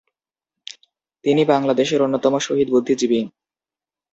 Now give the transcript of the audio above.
তিনি বাংলাদেশের অন্যতম শহীদ বুদ্ধিজীবী।